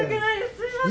すいません